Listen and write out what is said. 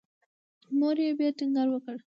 مور یې بیا ټینګار وکړ.